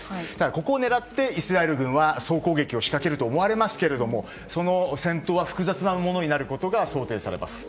ここを狙ってイスラエル軍は総攻撃を仕掛けると思われますがその戦闘は複雑なものになることが想定されます。